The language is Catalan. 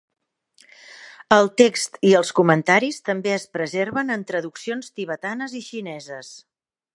El text i els comentaris també es preserven en traduccions tibetanes i xineses.